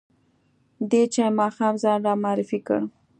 ده چې ماښام ځان را معرفي کړ.